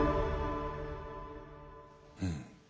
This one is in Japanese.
うん。